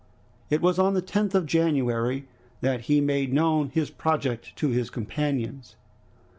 It was on the 10th of January that he made known his project to his companions.